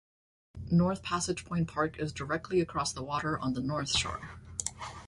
North Passage Point Park is directly across the water on the north shore.